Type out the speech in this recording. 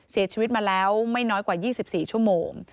เสียชีวิตมาแล้วไม่น้อยกว่า๒๔ชั่วโมง